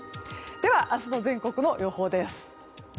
では、明日の全国の予報です。